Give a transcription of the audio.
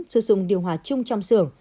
sử dụng điều hòa chung trong xưởng